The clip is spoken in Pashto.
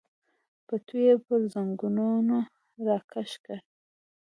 پټو یې پر زنګنونو راکش کړ.